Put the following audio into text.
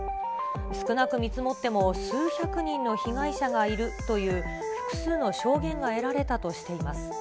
少なく見積もっても数百人の被害者がいるという複数の証言が得られたとしています。